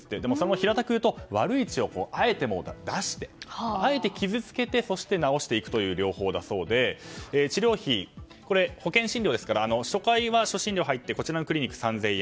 平たく言うと悪い血をあえて出して、あえて傷つけて治していくという療法だそうで治療費、保険診療ですから初回は初診料が入ってこちらのクリニックでは３０００円。